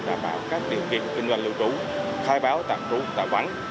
đảm bảo các điều kiện kinh doanh lưu trú khai báo tạm trú tạm vắng